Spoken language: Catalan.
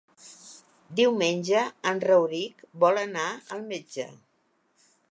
Diumenge en Rauric vol anar al metge.